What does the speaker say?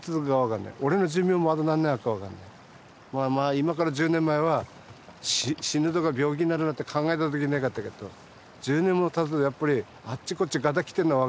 今から１０年前は死ぬとか病気になるなんて考えた時なかったけど１０年もたつとやっぱりあっちこっちガタきてるの分かるわけだもう。